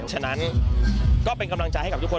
ฉะนั้นก็เป็นกำลังใจให้กับทุกคน